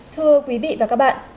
thưa quý vị và các bạn